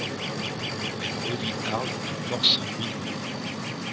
Elle relie Arles à Port-Saint-Louis-du-Rhône.